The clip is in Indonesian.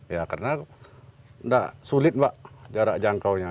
ya karena tidak sulit mbak jarak jangkaunya